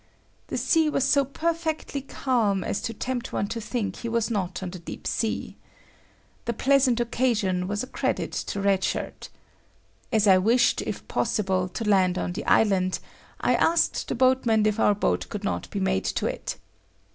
The sea was so perfectly calm as to tempt one to think he was not on the deep sea. The pleasant occasion was a credit to Red Shirt. As I wished, if possible, to land on the island, I asked the boatman if our boat could not be made to it.